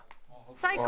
最高！